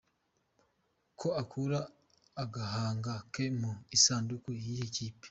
ko akura agahanga ke mu isanduku igihe ikipe